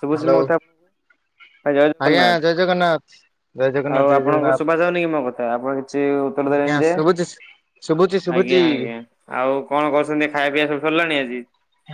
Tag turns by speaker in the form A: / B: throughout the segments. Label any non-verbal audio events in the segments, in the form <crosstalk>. A: ସବୁଜ
B: ହ୍ୟାଲୋ
A: ମଥା
B: ଆଜ୍ଞା ଜୟ ଜଗନ୍ନାଥ। ଜୟ
A: ଆଉ
B: ଜଗନ୍ନାଥ ଜୟ
A: ଆପଣଙ୍କ
B: ଜଗନ୍ନାଥ
A: ଶୁଭା ଯାଉନି କି ମୋ କଥା ଆପଣ କିଛି ଉତ୍ତର
B: ଆଜ୍ଞା
A: ଦେଲେନି ଯେ,
B: ଶୁଭୁଛି ଶୁଭୁଛି
A: ଆ
B: ଶୁଭୁଛି
A: ଆଜ୍ଞା ଆଜ୍ଞା ଆଉ କଣ କରୁଛନ୍ତି ଖାଇବା ପିଇବା ସବୁ ସରିଲାଣି ଆଜି।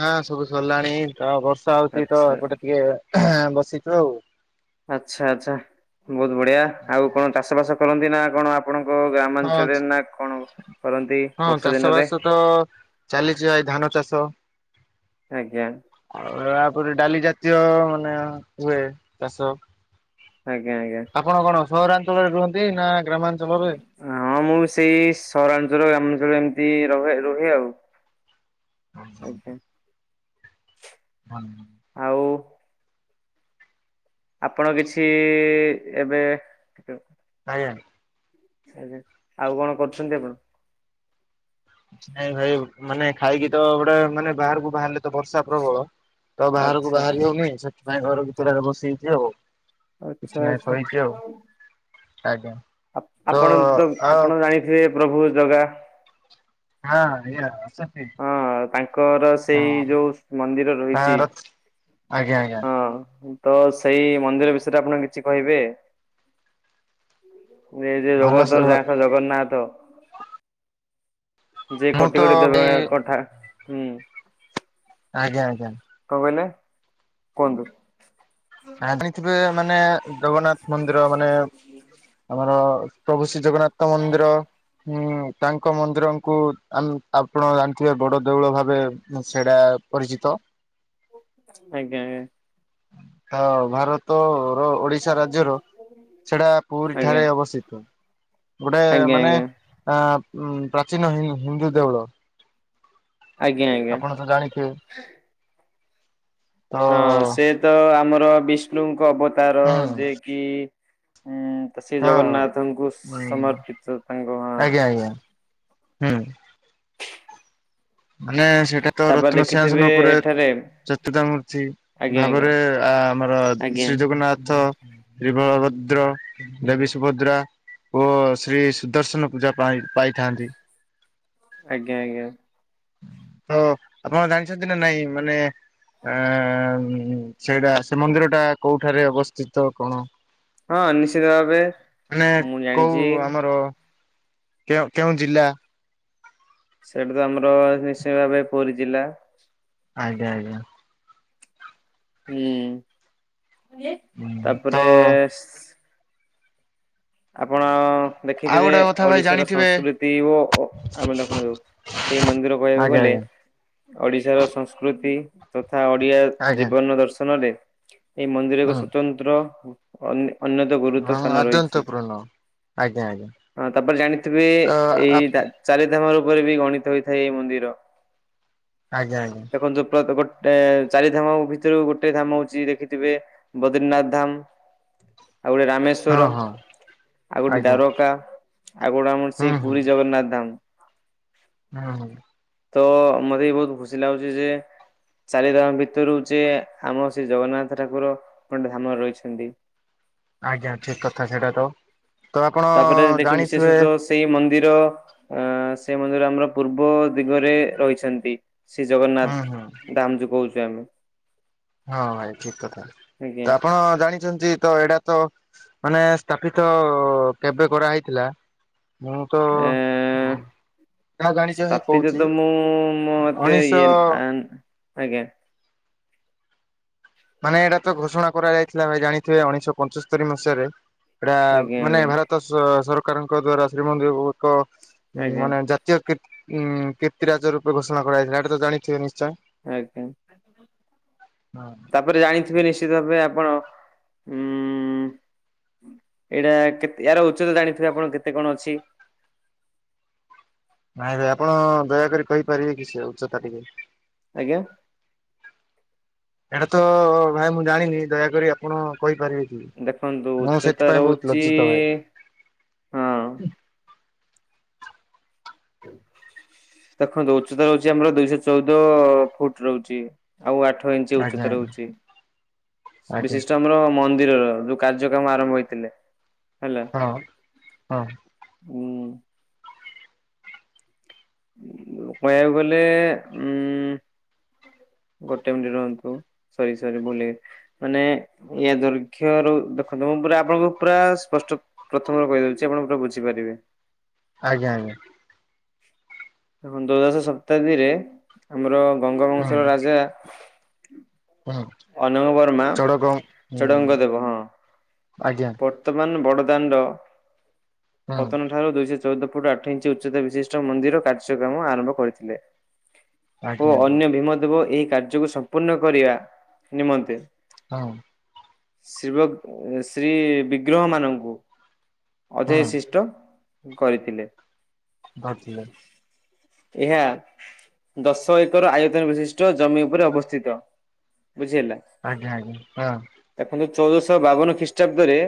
B: ହଁ ସବୁ ସରିଲାଣି ତ ବର୍ଷା ହଉଚି ତ
A: ଆଚ୍ଛା
B: ଏପଟେ ଟିକେ ହଁ ବସିଛୁ ଆଉ।
A: ଆଚ୍ଛା ଆଚ୍ଛା ବୋହୁତ ବଢିଆ ଆଉ କଣ ଚାଷ ବାସ କରନ୍ତି ନା କଣ ଆପଣଙ୍କ ଆ
B: ହଁ
A: ଗ୍ରାମାଞ୍ଚଳରେ ନା କଣ। କରନ୍ତି
B: ହଁ
A: ବର୍ଷା
B: ଚାଷ
A: ଦିନରେ
B: ବାସ ତ ଚାଲିଚି ଭାଇ ଧାନ ଚାଷ।
A: ଆଜ୍ଞା
B: ଆଉ ତାପରେ ଡାଲି ଜାତୀୟ ମାନେ ହୁଏ ଚାଷ।
A: ଆଜ୍ଞା ଆଜ୍ଞା।
B: ଆପଣ କଣ ସହରାଞ୍ଚଳରେ ରୁହନ୍ତି ନା ଗ୍ରାମାଞ୍ଚଳରେ?
A: ହଁ ମୁଁ ସେଇ ସହରାଞ୍ଚଳ ଗ୍ରାମାଞ୍ଚଳ ଏମିତି ରହେ ରୁହେ ଆଉ। ଆଜ୍ଞା
B: <inaudible> <inaudible>
A: ଆଉ ଆପଣ କିଛି ଏବେ
B: <inaudible>
A: ସେ ଆଉ କଣ କରୁଛନ୍ତି ଆପଣ?
B: ନାଇଁ ଭାଇ ମାନେ ଖାଇକି ତ ଗୋଟେ ମାନେ ବାହାରକୁ ବାହାରିଲେ ତ ବର୍ଷା ପ୍ରବଳ ତ ବାହାରକୁ
A: ଆଚ୍ଛା।
B: ବାହାରି ହୋଉନି ସେଥିପାଇଁ ଘର ଭିତରେ ବସି ହେଇଚି ଆଉ।
A: ଆଚ୍ଛା
B: କିଛି ନାହିଁ
A: ଆଚ୍ଛା
B: <unintelligible> ଆଉ ଆଜ୍ଞା।
A: ଆପଣ ତ
B: ଆଉ
A: ଆପଣ ଜାଣିଥିବେ ପ୍ରଭୁ ଜଗା।
B: ହଁ ଆଇ
A: ହଁ ତାଙ୍କର ସେଇ ଯୋଉ ମନ୍ଦିର ରହିଚି।
B: ତାର ଆଜ୍ଞା ଆଜ୍ଞା।
A: ତ ସେଇ ମନ୍ଦିର ବିଷୟରେ ଆପଣ କିଛି କହିବେ। ଏ ଯେ
B: ଭଲ
A: ଜଗତଥ ଯା ଜଗନ୍ନାଥ। ଯେ
B: ମୁଁ
A: କୋଟି
B: ତ
A: କୋଟି
B: ବି
A: ଦେବା ଠା ହୁଁ।
B: ଆଜ୍ଞା ଆଜ୍ଞା।
A: କଣ କହିଲେ କୁହନ୍ତୁ?
B: ଆଣିଥିବେ ମାନେ ଜଗନ୍ନାଥ ମନ୍ଦିର ମାନେ ଆମର ପ୍ରଭୁ ଶ୍ରୀ ଜଗନ୍ନାଥ ମନ୍ଦିର। ହଁ ତାଙ୍କ ମନ୍ଦିରଙ୍କୁ ଆମେ ଆପଣ ଜାଣିଥିବେ ବଡ଼ ଦେଉଳ ଭାବେ ସେଇଟା ପରିଚିତ।
A: ଆଜ୍ଞା ଆଜ୍ଞା।
B: ହ ଭାରତ ଓ ଓଡିଶା ରାଜ୍ୟର ସେଟା ପୁରୀ
A: ଆଜ୍ଞା
B: ଠାରେ ଅବସ୍ଥିତ। ଗୋଟେ
A: ଆଜ୍ଞା ଆଜ୍ଞା
B: ମାନେ ଆ ପ୍ରାଚୀନ ହିନ୍ଦୁ ଦେଉଳ।
A: ଆଜ୍ଞା ଆଜ୍ଞା।
B: ଆପଣ ତ ଜାଣିଥିବେ ତ
A: ହଁ ସେ ତ ଆମର ବିଷ୍ଣୁଙ୍କ ଅବତାର
B: ହୁଁ
A: ଯିଏ କି ଉଁ ତ ସେ
B: ହଁ
A: ଜଗନ୍ନାଥଙ୍କୁ
B: ହୁଁ
A: ସମର୍ପିତ ତାଙ୍କ ହଁ।
B: ଆଜ୍ଞା ଆଜ୍ଞା ହୁଁ। ମାନେ ସେଇଟା ତ
A: ତାପରେ
B: ରତ୍ନ
A: ଦେଖିଥିବେ
B: ସିଂହାସନ ଉପରେ
A: ଏଠାରେ
B: ଚତୁର୍ତ୍ତା ମୂର୍ତ୍ତି
A: ଆଜ୍ଞା ଆଜ୍ଞା
B: ଭାବରେ ଆ ଆମର
A: ଆଜ୍ଞା
B: ଶ୍ରୀ ଜଗନ୍ନାଥ <unintelligible> <unintelligible> ଦେବୀ ସୁଭଦ୍ରା ଓ ଶ୍ରୀ ସୁଦର୍ଶନ ପୂଜା ପା ପାଇଥାନ୍ତି।
A: ଆଜ୍ଞା ଆଜ୍ଞା।
B: <unintelligible> ଆପଣ ଜାଣିଛନ୍ତି ନା ନାଇଁ ମାନେ ଆ ହୁଁ ସେଇଟା ସେ ମନ୍ଦିର ଟା କୋଉଠାରେ ଅବସ୍ଥିତ କଣ?
A: ହଁ ନିଶ୍ଚିତ ଭାବେ
B: ମାନେ
A: ମୁଁ
B: କଉ
A: ଜାଣିଛି।
B: ଆମର କେଉଁ କେଉଁ ଜିଲ୍ଲା?
A: ସେଟି ତ ଆମର ନିଶ୍ଚୟ ଭାବେ ପୁରୀ ଜିଲ୍ଲା।
B: ଆଜ୍ଞା ଆଜ୍ଞା।
A: ହୁଁ <unintelligible>
B: ଆଜ୍ଞା ତ
A: ତାପରେ ଆପଣ
B: ଆଉ
A: ଦେଖିଥିବେ
B: ଗୋଟେ କଥା ଭାଇ
A: ଓଡ଼ିଶାର
B: ଜାଣିଥିବେ
A: ସଂସ୍କୃତି ଓ ଓ ଆମେ <unintelligible> ସେଇ ମନ୍ଦିର କହିବାକୁ
B: ଆଜ୍ଞା
A: ଗଲେ ଓଡ଼ିଶାର ସଂସ୍କୃତି ତଥା ଓଡିଆ
B: ଆଜ୍ଞା ଆଜ୍ଞା
A: ଜୀବନ ଦର୍ଶନରେ ଏଇ ମନ୍ଦିରକୁ
B: ହୁଁ
A: ସ୍ୱତନ୍ତ୍ର ଅନ୍ୟ ଅନ୍ୟ ତ ଗୁରୁତ୍ୱ
B: ହଁ
A: ସ୍ଥାନ
B: ଅତ୍ୟନ୍ତ
A: ରହିଛି।
B: ପୂର୍ଣ୍ଣ। ଆଜ୍ଞା ଆଜ୍ଞା
A: ହଁ ତାପରେ ଜାଣିଥିବେ
B: ତ
A: ଏଇ ଚାରି <unintelligible> ରୂପରେ ବି ଗଣିତ ହୋଇଥାଏ ଏଇ ମନ୍ଦିର
B: ଆଜ୍ଞା ଆଜ୍ଞା
A: ଦେଖନ୍ତୁ <unintelligible> ଏ ଚାରି ଧାମ ଭିତରୁ ଗୋଟେ ଧାମ ହଉଛି ଦେଖିଥିବେ ବଦ୍ରିନାଥ ଧାମ୍। ଆଉ ଗୋଟେ
B: ହଁ
A: ରାମେଶ୍ଵର।
B: ହଁ
A: ଆଉ ଗୋଟେ
B: ଆଜ୍ଞା
A: ଦ୍ୱାରକା ଆଉ ଗୋଟେ ଆମର
B: ହୁଁ
A: ସେଇ
B: ହୁଁ
A: ପୁରୀ ଜଗନ୍ନାଥ ଧାମ୍।
B: <unintelligible>
A: ତ ମତେ ବି ବହୁତ୍ ଖୁସି ଲାଗୁଛି ଯେ ଚାରିଧାମ ଭିତରୁ ଯେ ଆମ ସେ ଜଗନ୍ନାଥ ଠାକୁର ଗୋଟେ ଧାମରେ ରହିଛନ୍ତି।
B: ଆଜ୍ଞା ଠିକ୍ କଥା ସେଇଟା ତ ତ ଆପଣ
A: ତାପରେ ଦେଖି
B: ଜାଣିଥିବେ
A: ବିଶେଷତଃ ସେଇ ମନ୍ଦିର ଅ ସେ ମନ୍ଦିର ଆମର ପୂର୍ବ ଦିଗରେ ରହିଛନ୍ତି। ଶ୍ରୀ
B: ହୁଁ ହୁଁ
A: ଜଗନ୍ନାଥ ଧାମ୍ ଯୋଉ କହୁଛୁ ଆମେ
B: ହଁ ଠିକ୍ କଥା
A: ଆଜ୍ଞା
B: ତ ଆପଣ ଜାଣିଛନ୍ତି ତ ଏଇଟା ତ ମାନେ ସ୍ଥାପିତ କେବେ କରାହେଇଥିଲା? ମୁଁ ତ
A: ଏ
B: ଯାହା ଜାଣିଛ ହିଁ କହୁଛି
A: <unintelligible> ମୁଁ ମତେ <unintelligible>
B: ଉଣେଇଶହ
A: ଆଜ୍ଞା।
B: ମାନେ ଏଇଟା ତ ଘୋଷଣା କରାଯାଇଥିଲା ଭାଇ ଜାଣିଥିବେ ଉଣେଇଶହ ପଞ୍ଚସ୍ତରୀ ମସିହାରେ ଏଇଟା
A: ଆଜ୍ଞା
B: ମାନେ
A: ଆଜ୍ଞା
B: ଭାରତ ସ ସରକାରଙ୍କ ଦ୍ଵାରା ଶ୍ରୀମନ୍ଦିର କୁ ଏକ ଉଁ
A: ଆଜ୍ଞା
B: ମାନେ ଜାତୀୟ କୀ ଉଁ କୀର୍ତ୍ତିରାଜ ରୂପେ ଘୋଷଣା କରାଯାଇଥିଲା ଏଟା ତ ଜାଣିଥିବେ ନି
A: ଆଜ୍ଞା ତାପରେ ଜାଣି ଜାଣିଥିବେ ନିଶ୍ଚିତ ଭାବେ ଆପଣ ଉଁ ଏଇଟା କେ ଏହାର ଉଚ୍ଚତା ଜାଣିଥିବେ ଆପଣ କେତେ କଣ ଅଛି?
B: ନାଇଁ ଭାଇ ଆପଣ ଦୟାକରି କହିପାରିବେ କି ସେ ଉଚ୍ଚତା ଟିକେ
A: ଆଜ୍ଞା।
B: ଏଇଟା ତ ଭାଇ ମୁଁ ଜାଣିନି ଦୟାକରି ଆପଣ କହିପାରିବେ
A: ଦେଖନ୍ତୁ
B: କି ମୁଁ
A: ଉଚ୍ଚତା
B: ସେଥିପାଇଁ ବହୁତ୍
A: ରହୁଛି
B: ଲଜ୍ଜିତ
A: ହଁ
B: ଭାଇ।
A: ଦେଖନ୍ତୁ ଉଚ୍ଚତା ରହୁଛି ଆମର ଦୁଇଶହ ଚଉଦ ଫୁଟ୍ ରହୁଛି। ଆଉ ଆଠ ଇଞ୍ଚ୍
B: ଆଜ୍ଞା
A: ଉଚ୍ଚତା
B: ଆଜ୍ଞା
A: ରହୁଛି
B: ଆଜ୍ଞା
A: ବିଶିଷ୍ଟ ଆମର‌ ମ ମନ୍ଦିରର ଯୋଉ କାର୍ଯ୍ୟକ୍ରମ ଆରମ୍ଭ ହେଇଥିଲେ। ହେଲା।
B: ହଁ ହଁ।
A: ହୁଁ କହିବାକୁ ଗଲେ ଉଁ ଗୋଟେ ମିନିଟ ରହନ୍ତୁ ସରି ସରି ବୁ ମାନେ ଇ ଦୈର୍ଘ୍ୟ ର ଦେଖନ୍ତୁ ମୁ ପୁରା ଆପଣଙ୍କୁ ପୁରା ସ୍ପଷ୍ଟ ପ୍ରଥମରେ କହିଦିଉଚି ଆପଣ ପୁରା ବୁଝିପାରିବେ।
B: ଆଜ୍ଞା ଆଜ୍ଞା।
A: ଦ୍ଵାଦଶ ଶତାବ୍ଦୀରେ ଆମର ବଙ୍ଗବଂଶର
B: ହୁଁ
A: ରାଜା
B: ହୁଁ
A: ଅନାର୍ବର୍ମା
B: ଚଡ଼କ ହୁଁ
A: ଚୁଡାଙ୍ଗ ଦେବ ହଁ।
B: ଆଜ୍ଞା
A: ବର୍ତ୍ତମାନ ବଡଦାଣ୍ଡ
B: ହୁଁ
A: ପତନ ଠାରୁ ଦୁଇଶହ ଚଉଦ ଫୁଟ ଆଠ ଇଞ୍ଚ ଉଚ୍ଚତା ବିଶିଷ୍ଟ ମନ୍ଦିର କାର୍ଯ୍ୟକ୍ରମ ଆରମ୍ଭ କରିଥିଲେ।
B: ଆଜ୍ଞା
A: ଓ
B: ଆଜ୍ଞା
A: ଅନ୍ୟ ଭୀମ ଦେବ ଏହି କାର୍ଯ୍ୟକୁ ସମ୍ପୂର୍ଣ୍ଣ କରିବା ନିମନ୍ତେ
B: ହଁ।
A: ଶିବ ଶ୍ରୀ ବିଗ୍ରହ ମାନଙ୍କୁ
B: ହଁ।
A: ଅଧିଶିଷ୍ଟ କରିଥିଲେ।
B: <unintelligible>
A: ଏହା ଦଶ ଏକର ଆୟତନ ବିଶିଷ୍ଟ ଜମି ଉପରେ ଅବସ୍ଥିତ। ବୁଝିହେଲା।
B: ଆଜ୍ଞା ଆଜ୍ଞା ହଁ।
A: ଦେଖନ୍ତୁ ଚଉଦଶହ ବାବନ ଖ୍ରୀଷ୍ଟାବ୍ଦରେ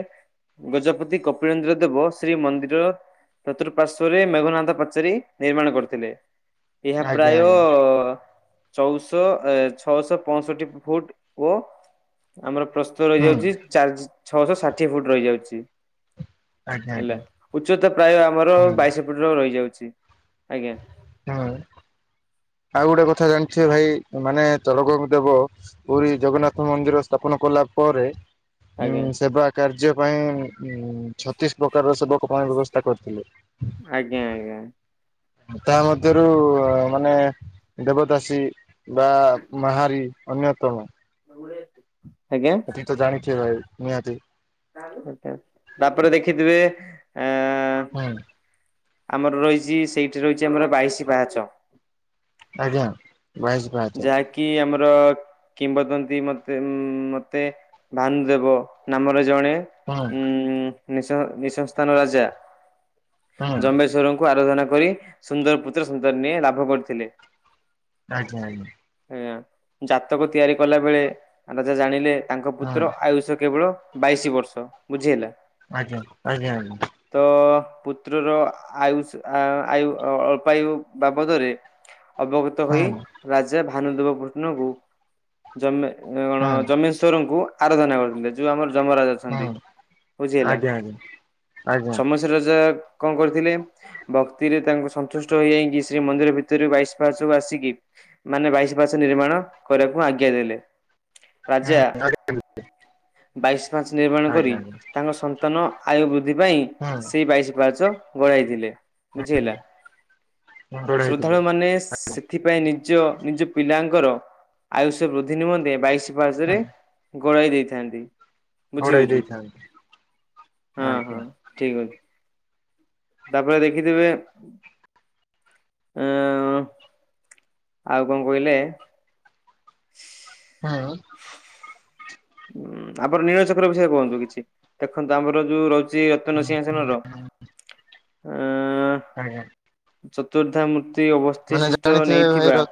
A: ଗଜପତି କପିଳନ୍ଦ୍ର ଦେବ ଶ୍ରୀ ମନ୍ଦିରର ଚତୁର୍ପାର୍ଶ୍ଵରେ ମେଘୁନାଥ ପାଚୋରୀ ନିର୍ମାଣ କରିଥିଲେ। ଏହା
B: ଆଜ୍ଞା
A: ପ୍ରାୟ
B: ଆଜ୍ଞା
A: ଚଉଶହ ଛଅଶହ ପଞ୍ଚଷଠି ଫୁଟ ଓ ଆମର ପ୍ରସ୍ତୁତ
B: ହୁଁ
A: ରହିଯାଉଚି ଚାରି ଛଅଶହ ଷାଠିଏ ଫୁଟ ରହିଯାଉଚି।
B: ଆଜ୍ଞା
A: ହେଲା
B: ଆଜ୍ଞା
A: ଉଚ୍ଚତା ପ୍ରାୟ ଆମର
B: ହୁଁ
A: ବାଇଶ ଫିଟ ରହିଯାଉଚି ଆଜ୍ଞା।
B: ହଁ। ଆଉ ଗୋଟେ କଥା ଜାଣିଥିବେ ଭାଇ ମାନେ ତଳକଙ୍ଗ ଦେବ ପୁରୀ ଜଗନ୍ନାଥ ମନ୍ଦିର ସ୍ଥାପ କଲା ପରେ
A: ଆଜ୍ଞା
B: ଉ ସେବା କାର୍ଯ୍ୟ ପାଇଁ ଉ ଛତିଶ ପ୍ରକାରର ସେବକ ପା ବ୍ୟବସ୍ଥା କରିଥିଲେ।
A: ଆଜ୍ଞା ଆଜ୍ଞା।
B: ତାହା ମଧ୍ୟରୁ ମାନେ ଦେବଦାସୀ ବା ମହାରି ଅନ୍ୟତମ।
A: <unintelligible>
B: ହତି ତ ଜାଣିଚେ ଭାଇ ନିହାତୀ।
A: ତାପରେ ଦେଖିଥିବେ ଆ
B: ହୁଁ
A: ଆମର ରହିଚି ସେଇଠି ରହିଚି ଆମର ବାଇଶି ପାହାଚ।
B: ଆଜ୍ଞା। ବାଇଶି ପାହାଚ
A: ଯାହାକି ଆମର କି କିମ୍ବଦନ୍ତି ମତେ ମତେ ଭାନୁ ଦେବ ନାମର ଜଣେ
B: ହୁଁ
A: ଉଁ ନି ନିସ ସଂସ୍ଥାନ ରାଜା
B: ହୁଁ
A: ଜମ୍ବେଶ୍ୱରଙ୍କୁ ଆରାଧନା କରି ସୁନ୍ଦରପୁତ୍ର ସନ୍ତାନ ଲାଭ କରିଥିଲେ।
B: ହ
A: ଆ ଜାତକ ତିଆରି କଲା ବେଳେ ରାଜା ଜାଣିଲେ ତାଙ୍କ
B: ହଁ
A: ପୁତ୍ର ଆୟୁଷ କେବଳ ବାଇଶି ବର୍ଷ ବୁଝି ହେଲା।
B: ଆଜ୍ଞା ଆଜ୍ଞା।
A: ପତ୍ରର ଆୟୁଷ ଆୟୁ ଅଳ୍ପୟୁ ବାବଦରେ ଅବଗତ ହୋଇ
B: ହୁଁ
A: ରାଜା ଭାନୁଦେବ କୃଷ୍ଣଙ୍କୁମ କଣ
B: ହୁଁ
A: ଜମେସ୍ୱରଙ୍କୁ ଆରାଧନା କରୁଥିଲେ ଯୋଉ ଆମର ମରାଜ ଅଛନ୍ତି,
B: ହୁଁ
A: ବୁଝି ହେଲା
B: ଆଜ୍ଞା ଆଜ୍ଞା
A: ସମସ୍ୟ କଣ କରିଥିଲେ ଭକ୍ତିରେ ତାଙ୍କୁ ସନ୍ତୁଷ୍ଟ ହୋଇଯାଇକି ଶ୍ରୀ ମନ୍ଦିର ଭିତରେ ବାଇଶ କୁ ଆସିକି ମାନେ ବାଇଶ ପାହାଚ ନିର୍ମାଣ କରିବାକୁ ଆଜ୍ଞା ଦେଲେ। ରାଜା
B: ଆଜ୍ଞା ହୁଁ ଆଜ୍ଞା
A: ବାଇଶ ପାଚ ନିର୍ମାଣ କରି
B: ଆଜ୍ଞା ଆଜ୍ଞା
A: ତାଙ୍କ ସନ୍ତାନ ଆୟୁ ବୃଦ୍ଧି ପାଇଁ
B: ହୁଁ
A: ସେଇ ବାଇଶ ପାହାଚ ଗଳାଇଥିଲେ ବୁଝି ହେଲା
B: ଘୋଡାଇଥିଲେ
A: ଶ୍ରଦ୍ଧାଳୁ ମାନେ ସେଥିପାଇଁ ନି ନିଜ ନିଜ ପିଲାଙ୍କର ଆୟୁଷ ବୃଦ୍ଧି ନିମନ୍ତେ ବାଇଶ
B: ହୁଁ
A: ପାହାଚରେ ଗୋଳାଇ ଦେଇଥାନ୍ତି। ବୁଝି
B: ଘୋଡାଇ
A: ହଉଛି
B: ଦେଇଥାନ୍ତି
A: ହଁ ହଁ
B: ଆଜ୍ଞା
A: ଠିକ ଅଛି। ତାପରେ ଦେଖିଥିବେ। ଏଁ ଅଂ ଆଉ କଣ କହିଲେ।
B: ହଁ ଅଂ
A: ଉଁ ଆମର ନୀଳଚକ୍ର ବିଷୟ ରେ କୁହନ୍ତୁ କିଛି ଦେଖନ୍ତୁ ଆମର ଯୋଉ ରହୁଚି ସେ ରତ୍ନସିଂହାସନର ଆ
B: ଆଜ୍ଞା
A: ଚତୁର୍ଦ୍ଧା ମୂର୍ତ୍ତି
B: ମାନେ
A: ଅବସ୍ତିସିଷ୍ଟ
B: ଜାଣିଥିବେ ଭାଇ
A: ନେଇଥିବା
B: ର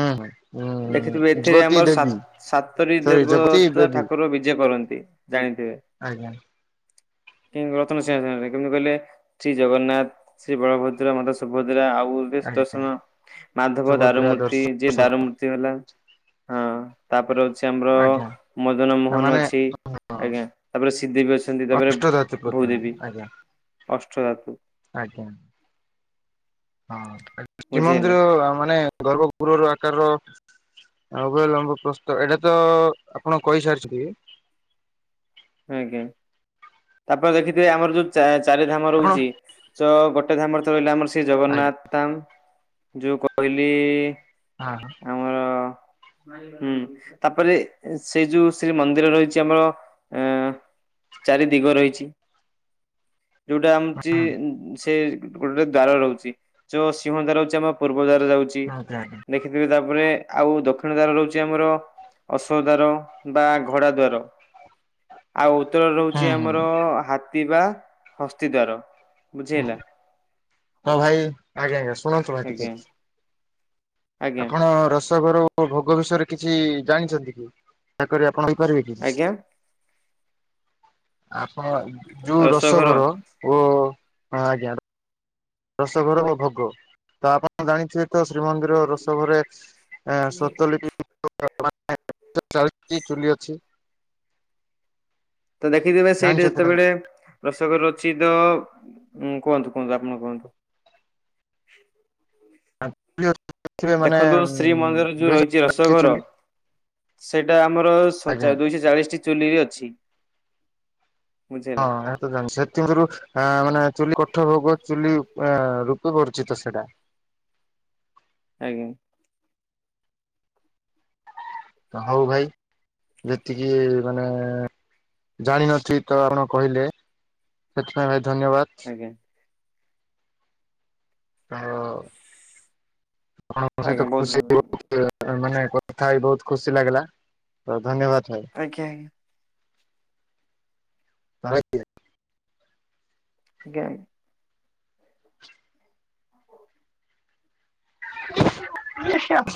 B: ହୁଁ ହୁଁ
A: ଦେଖିଥିବେ
B: ଉଁ
A: ଏଥିରେ
B: ଜଗତୀ
A: ଆମର
B: ଦେବୀ
A: ସାତରି
B: ସରି ଜଗତୀ
A: ଦେବତା
B: ଦେବୀ
A: ଠାକୁର ବିଜେ କରନ୍ତି ଜାଣି ହେ,
B: ଆଜ୍ଞା
A: ରତ୍ନସିଂହାସନ କେମିତି କହି ଶ୍ରୀ ଜଗନ୍ନାଥ ଶ୍ରୀ ବଳଭଦ୍ର ମାତା ସୁଭଦ୍ରା ଆଉ ସୁ
B: ଆଜ୍ଞା
A: ଦର୍ଶନ ମାଧବ
B: ସୁଭଦ୍ରା
A: ଦାରମୂର୍ତ୍ତି ଯେ
B: ଦର୍ଶନ
A: ଦାରମୂର୍ତ୍ତି ହଁ ତାପରେ ଅଛି ଆମର
B: ଆଜ୍ଞା
A: ମଦନ ମୋହନ
B: ମାନେ
A: ଅଛି। ଆଜ୍ଞା ତାପରେ ଶ୍ରୀଦେବୀ ଅଛନ୍ତି ତାପରେ
B: ଅଷ୍ଟଧାତୁ ପ୍ରତ୍ୟୟ
A: ଭୂଦେବୀ।
B: ଆଜ୍ଞା
A: ଅଷ୍ଟଧାତୁ।
B: ଆଜ୍ଞା ହଁ ଶ୍ରୀମନ୍ଦିର ମାନେ ଗର୍ଭପୁରର ଆକାର ଆଉ ଲମ୍ବ ପ୍ରସ୍ତୁତ ଏଇଟା ତ ଆପଣ କହିସାରିଛନ୍ତି।
A: ଆ୍ଞା ତାପରେ ଦେଖିଥିବେ ଆମର ଯୋଉ ଚାରି ଧାମ
B: ଆପଣ
A: ରହୁଛି ତ ଗୋ ଗୋଟେ ଧାମରେ ରହିଲା ଆମର ଶ୍ରୀ
B: ଆଜ୍ଞା
A: ଜଗନ୍ନାଥ ଧାମ ଯୋଉ କହିଲି
B: ହଁ।
A: ଆମର ହୁଁ ତାପରେ ସେଇ ଯୋଉ ଶ୍ରୀ ମନ୍ଦିର ରହିଚି ଆମର। ଅଂ ଏଁ ଚାରି ଦିଗ ରହିଛି। ଯୋଉଟା ଆମଛି ସେ ଗୋଟେ ଦ୍ଵାର ରହୁଚି ଯୋଉ ସିଂହ ଦ୍ଵାର ହଉଚି ଆମ ପୁର ବଜାର ଯାଉଛି
B: ଆଜ୍ଞା ଆଜ୍ଞା
A: ଦେଖିଥିବେ ତାପରେ ଆଉ ଦକ୍ଷିଣ ଦ୍ଵାର ରହୁଛି ଆମର ଅଶୋକ ଦ୍ଵାର ବା ଘୋଡା ଦ୍ୱାର ଆଉ ଉତ୍ତର ରହୁଛି
B: ହୁଁ
A: ଆମର
B: ହୁଁ
A: ହାତୀ ବା ହସ୍ତି ଦ୍ଵାର। ବୁଝିହେଲା।
B: ହଁ ଭାଇ ଆଜ୍ଞା ଆଜ୍ଞା ଶୁଣନ୍ତୁ ଭାଇ ଟିକେ।
A: ଆଜ୍ଞା ଆଜ୍ଞା
B: ଆପଣ ରୋସଘର ଓ ଭୋଗ ବିଷୟରେ କିଛି ଜାଣିଛନ୍ତି କି ଠାକୁର। ଆପଣ ରହି ପାରିବେ କି
A: ଆଜ୍ଞା
B: ଆପଣ। ଯୋଉ
A: ରସଘର
B: ରୋସଘର ଓ ଆଜ୍ଞା। ରୋସଘର ଓ ଭୋଗ ତ ଆପଣ ଜାଣିଥିବେ। ଶ୍ରୀମନ୍ଦିର ରୋସ ଘରେ ଏ ଶ୍ରୋତଲିପି ଓ ଚାଉଳ ଅଛି ଚୁଲି ଅଛି।
A: ତ ଦେଖିଥିବେ ସେଇଠେ
B: ଜାଣିଛନ୍ତି ନା ନାଇଁ?
A: ଯେତେବେଳେ ରୋସଘର ଅଛି ତ ଉଁ କୁହନ୍ତୁ କୁହନ୍ତୁ ଆପଣ କୁହନ୍ତୁ।
B: ଆ।
A: ଦେଖନ୍ତୁ ଶ୍ରୀମନ୍ଦିର ଯୋଉ ରହିଛି
B: ଦୁଇଶହ ଚାଳିଶଟି
A: ରୋସଘର
B: ଚୁଲି
A: ସେଇଟା ଆମର
B: ଆଜ୍ଞା
A: ଦୁଇଶହ ଚାଳିଶ ଟି ଚୁଲି ଅଛି। ବୁଝିହେଲା
B: ହଁ ତ ସେଥିଙ୍କରୁ ମାନେ ଚୁଲି କୋଠ ଭୋଗ ଚୁଲି ରୂଚି ବର୍ଚିତ ସେଟା।
A: ଆଜ୍ଞା।
B: ହଉ ଭାଈ। ଯେତିକି ମାନେ ଜାଣିନଥିଲି ତ ଆପଣ କହିଲେ। ସେଥିପାଇଁ ଭାଈ ଧନ୍ୟବାଦ।
A: ଆଜ୍ଞା
B: ହଁ। ଆପଣ ମ ସହିତ
A: ଆଜ୍ଞା ବହୁତ
B: ଖୁସି
A: ଭଲ
B: ବହୁତ ମାନେ କଥା ବି ବହୁତ ଖୁସି ଲାଗିଲା ଧନ୍ୟବାଦ।
A: ଆଜ୍ଞା ଆଜ୍ଞା।
B: <unintelligible>
A: ଆଜ୍ଞା ଆଜ୍ଞା।
B: <unintelligible>